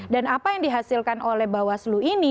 dan apa yang dihasilkan oleh bawaslu ini